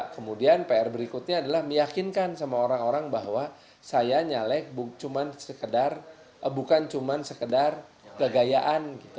kemudian pr berikutnya adalah meyakinkan sama orang orang bahwa saya nyalek bukan cuma sekedar kegayaan gitu